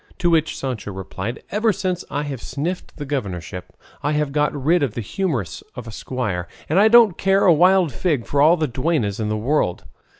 To which Sancho replied, "Ever since I have sniffed the governorship I have got rid of the humours of a squire, and I don't care a wild fig for all the duennas in the world."